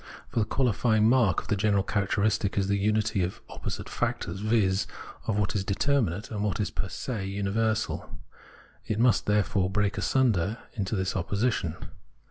For the qualifying mark, the general characteristic, is the unity of opposite factors, viz. of what is determinate, and of what is 'per se universal. It must, therefore, break asunder into this opposition.